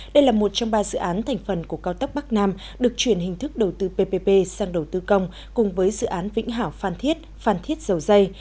đây là một trong ba dự án thành phần của cao tốc bắc nam được chuyển hình thức đầu tư ppp sang đầu tư công cùng với dự án vĩnh hảo phan thiết phan thiết dầu dây